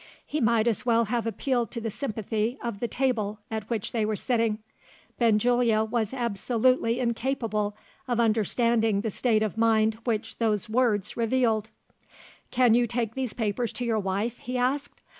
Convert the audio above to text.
He might as well have appealed to the sympathy of the table at which they were sitting. Benjulia was absolutely incapable of understanding the state of mind which those words revealed. "Can you take these papers to your wife?" he asked.